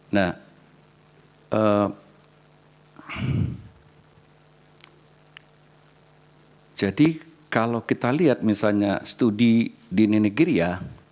nah jadi kalau kita lihat misalnya studi di ninegiria